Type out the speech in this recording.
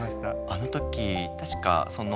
あの時確かその。